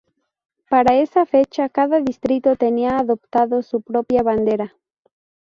Para esa fecha, cada distrito tenía adoptado su propia bandera.